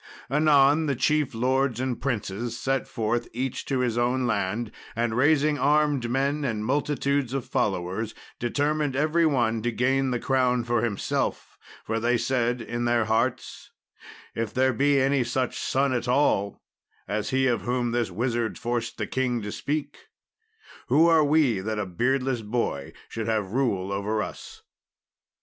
Anon the chief lords and princes set forth each to his own land, and, raising armed men and multitudes of followers, determined every one to gain the crown for himself; for they said in their hearts, "If there be any such a son at all as he of whom this wizard forced the king to speak, who are we that a beardless boy should have rule over us?"